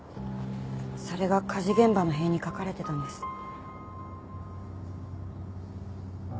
それが火事現場の塀に描かれてたんです。